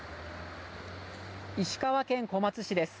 石川県小松市です。